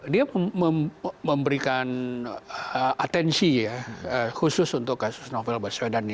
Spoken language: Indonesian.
dia memberikan atensi khusus untuk kasus novel bersedan ini